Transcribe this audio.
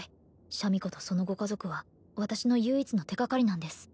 シャミ子とそのご家族は私の唯一の手がかりなんです